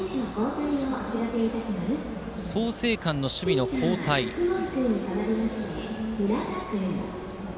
創成館の守備の交代です。